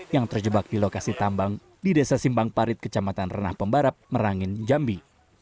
yang terjebak di lokasi tambang di desa simpang parit kecamatan renah pembarap merangin jambi